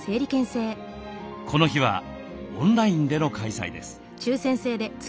この日はオンラインでの開催です。